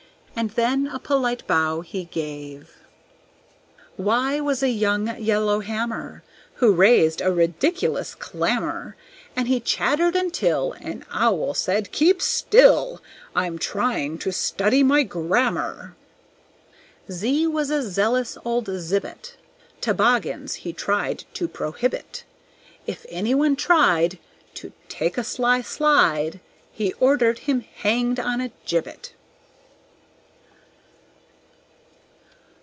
And then a polite bow he gave. Y was a young Yellowhammer, Who raised a ridiculous clamor; And he chattered until An owl said, "Keep still! I'm trying to study my grammar." Z was a zealous old Zibet, Toboggans he tried to prohibit. If any one tried To take a sly slide, He ordered him hanged on a gibbet.